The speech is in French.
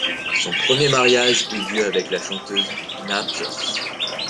Son premier mariage eut lieu avec la chanteuse Nardjess.